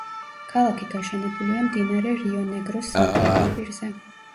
ქალაქი გაშენებულია მდინარე რიო-ნეგროს სამხრეთ ნაპირზე.